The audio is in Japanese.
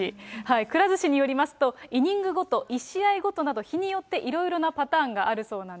くら寿司によりますと、イニングごと、１試合ごと、日によっていろいろなパターンがあるそうなん